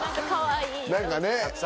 何かね。